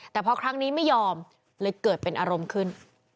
แต่พอครั้งนี้ไม่ยอมเลยเกิดเป็นอารมณ์ขึ้น